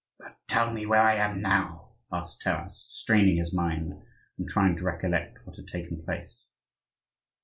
"But tell me where I am now?" asked Taras, straining his mind, and trying to recollect what had taken place.